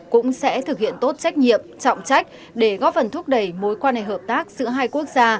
cũng sẽ thực hiện tốt trách nhiệm trọng trách để góp phần thúc đẩy mối quan hệ hợp tác giữa hai quốc gia